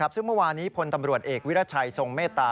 ซึ่งเมื่อวานี้พลตำรวจเอกวิรัชัยทรงเมตตา